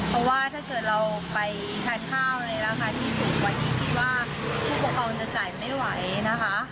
เพราะว่าถ้าเกิดเราไปทานข้าวในราคาที่สูงกว่านี้คิดว่าผู้ปกครองจะจ่ายไม่ไหวนะคะ